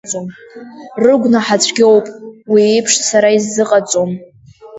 Рыгәнаҳа цәгьоуп, уи еиԥш сара исзыҟаҵом!